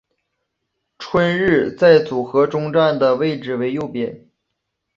春日在组合中站的位置为右边。